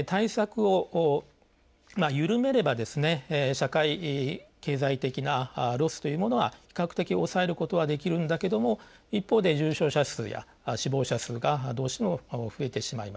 社会経済的なロスというものは比較的抑えることはできるんだけども一方で重症者数や死亡者数がどうしても増えてしまいます。